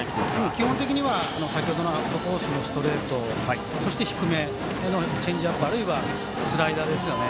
基本的には先程のアウトコースのストレートそして、低めへのチェンジアップあるいはスライダーですね。